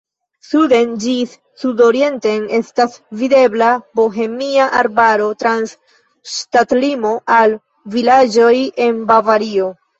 Suden ĝis sudorienten estas videbla Bohemia arbaro, trans ŝtatlimo al vilaĝoj en Bavario.